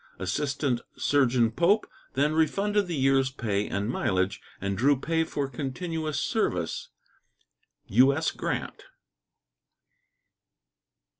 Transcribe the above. Assistant Surgeon Pope then refunded the year's pay and mileage and drew pay for continuous service. U.S. GRANT.